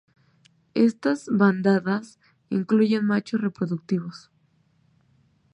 Estas bandadas incluyen machos reproductivos.